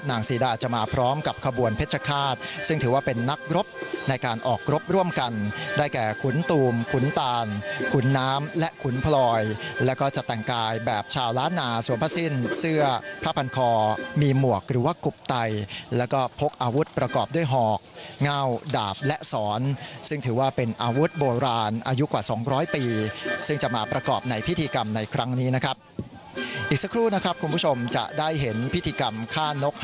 นางซีดาจะมาพร้อมกับขบวนเพชรฆาตซึ่งถือว่าเป็นนักรบในการออกรบร่วมกันได้แก่ขุนตูมขุนตานขุนน้ำและขุนพลอยแล้วก็จะแต่งกายแบบชาวล้านนาสวมพระสิ้นเสื้อพระพันธ์คอมีหมวกหรือว่ากุบไตแล้วก็พกอาวุธประกอบด้วยหอกเงาดาบและสอนซึ่งถือว่าเป็นอาวุธโบราณอายุกว่า๒๐๐ปีซึ่งจะมาประก